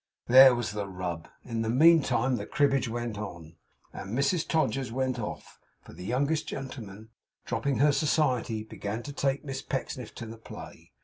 There was the rub! In the meantime the cribbage went on, and Mrs Todgers went off; for the youngest gentleman, dropping her society, began to take Miss Pecksniff to the play.